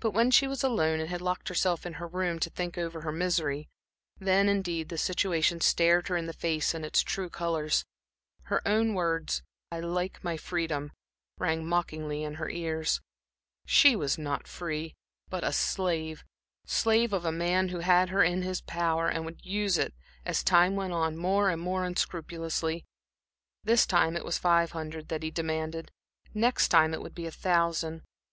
But when she was alone and had locked herself into her room to think over her misery, then, indeed, the situation stared her in the face in its true colors. Her own words, "I like my freedom," rang mockingly in her ears. She was not free, but a slave; slave of a man who had her in his power, and would use it, as time went on, more and more unscrupulously. This time it was five hundred that he demanded; next time it would be a thousand.